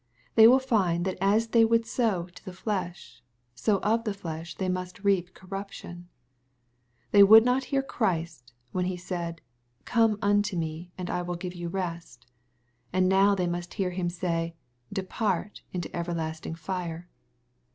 They will find that as they would sow to the flesh, so of the flesh they must reap corruption. They would not hear Christ, when He said " Come unto me, and I will give you rest," and now they must hear Him say, " Depart, into everlasting fire."